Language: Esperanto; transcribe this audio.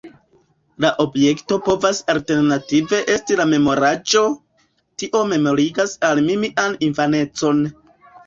La objekto povas alternative esti la memoraĵo: Tio memorigas al mi mian infanecon.